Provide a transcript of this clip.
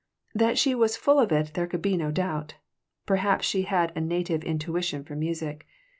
That she was full of it there could be no doubt. Perhaps she had a native intuition for music.